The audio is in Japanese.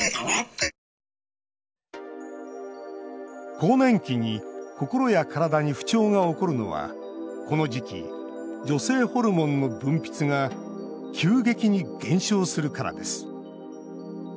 更年期に心や体に不調が起こるのはこの時期、女性ホルモンの分泌が急激に減少するからです。